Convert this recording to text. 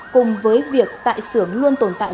cùng với việc tại xưởng luôn tồn tại